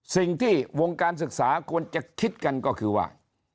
สิ่งที่วงการศึกษาควรจะคิดกันก็คือว่า